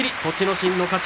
心の勝ち。